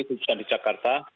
kemudian di jakarta